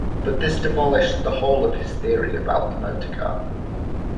But this demolished the whole of his theory about the motorcar.